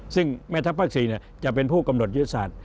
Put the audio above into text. ซึ่งแม่ทัพภาค๔จะเป็นผู้กำหนดยุทธศาสตร์